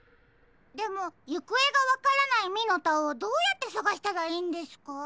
でもゆくえがわからないミノタをどうやってさがしたらいいんですか？